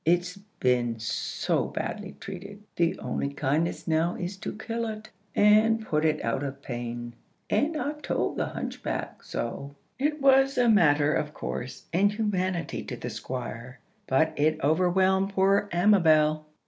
It's been so badly treated, the only kindness now is to kill it, and put it out of pain. And I've told the hunchback so." It was a matter of course and humanity to the Squire, but it overwhelmed poor Amabel.